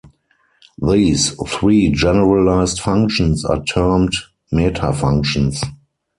These three generalised functions are termed "metafunctions".